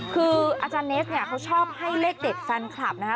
คืออาจารย์เนสเนี่ยเขาชอบให้เลขเด็ดแฟนคลับนะคะ